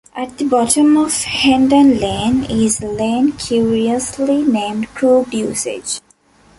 At the bottom of Hendon Lane is a lane curiously named Crooked Usage.